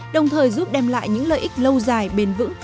đồng thời giúp đem lại những lợi ích lâu dài bền vững